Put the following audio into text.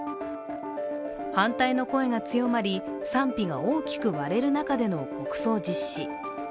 反対の声が強まり、賛否が大きく割れる中での国葬実施。